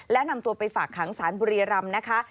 และนำตัวไปฝากขังสารบุรีรำนะคะ